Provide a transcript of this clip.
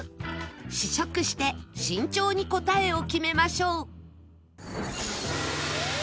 試食して慎重に答えを決めましょう